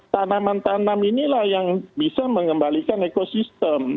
tanaman tanam inilah yang bisa mengembalikan ekosistem